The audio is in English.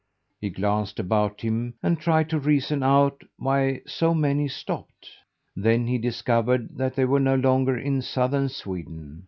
He glanced about him and tried to reason out why so many stopped. Then he discovered that they were no longer in southern Sweden.